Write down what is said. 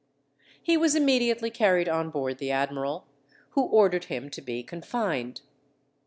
He was immediately carried on board the admiral, who ordered him to be confined.